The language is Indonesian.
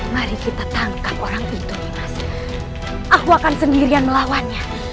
mari kita tangkap orang itu mas aku akan sendirian melawannya